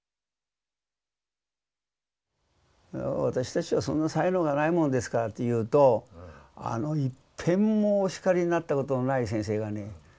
「私たちはそんな才能がないもんですから」って言うとあのいっぺんもお叱りになったことのない先生がね